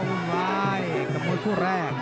อุ่นวายกับคนคู่แรก